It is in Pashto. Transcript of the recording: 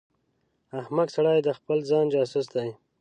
احمق سړی د خپل ځان جاسوس دی.